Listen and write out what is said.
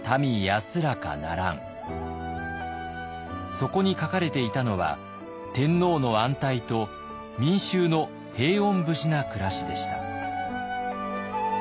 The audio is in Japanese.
そこに書かれていたのは天皇の安泰と民衆の平穏無事な暮らしでした。